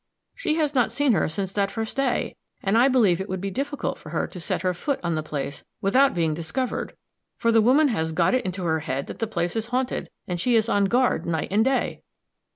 "She has not seen her since that first day; and I believe it would be difficult for her to set her foot on the place without being discovered, for the woman has got it into her head that the place is haunted, and she is on guard night and day."